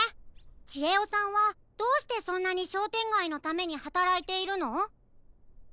ちえおさんはどうしてそんなにしょうてんがいのためにはたらいているの？